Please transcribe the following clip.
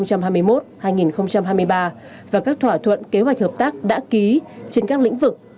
và các thỏa thuận kế hoạch hợp tác đã ký trên các lĩnh vực